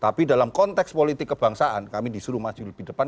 tapi dalam konteks politik kebangsaan kami disuruh maju lebih depan